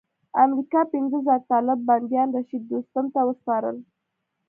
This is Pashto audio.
امریکا پنځه زره طالب بندیان رشید دوستم ته وسپارل.